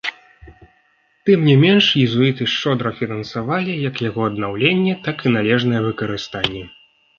Тым не менш, езуіты шчодра фінансавалі як яго аднаўленне, так і належнае выкарыстанне.